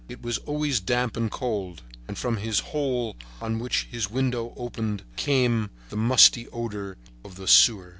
It was always damp and cold, and from this hole on which his window opened came the musty odor of a sewer.